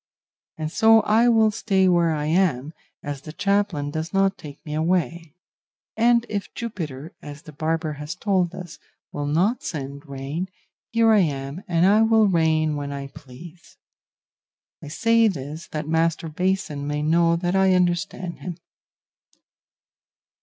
And so I will stay where I am, as the chaplain does not take me away; and if Jupiter, as the barber has told us, will not send rain, here am I, and I will rain when I please. I say this that Master Basin may know that I understand him."